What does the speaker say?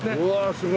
すごい。